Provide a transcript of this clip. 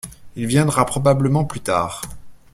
Il viendra probablement plus tard.